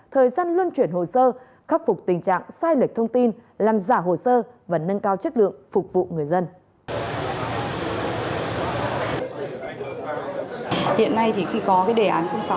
thời gian luân chuyển hồ sơ khắc phục tình trạng sai lệch thông tin làm giả hồ sơ và nâng cao chất lượng phục vụ người dân